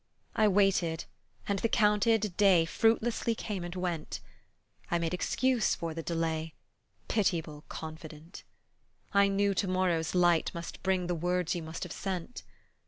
I waited, and the counted day Fruitlessly came and went; I made excuse for the delay, Pitiable confident. I knew to morrow's light must bring The words you must have sent.